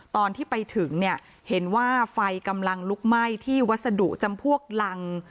ตอนที่ไปถึงเนี่ยเห็นว่าไฟกำลังลุกไหม้ที่วัสดุจำพวกรัง